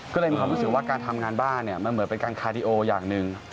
ก็เลยมีความรู้สึกว่าการทำงานบ้านเนี่ยมันเหมือนเป็นการคาดีโออย่างหนึ่ง